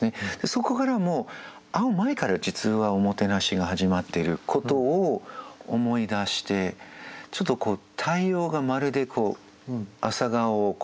そこから会う前から実はおもてなしが始まっていることを思い出してちょっと太陽がまるで朝顔を何て言うかな。